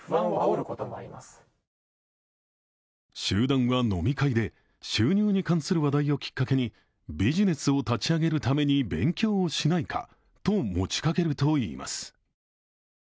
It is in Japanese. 集団は飲み会で、収入に関する話題をきっかけにビジネスを立ち上げるために勉強をしないかと持ちかけるといいます。